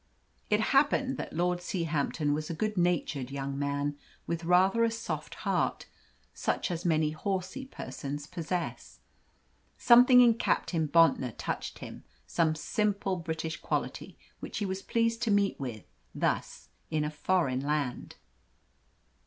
It happened that Lord Seahampton was a good natured young man, with rather a soft heart, such as many horsey persons possess. Something in Captain Bontnor touched him; some simple British quality which he was pleased to meet with, thus, in a foreign land.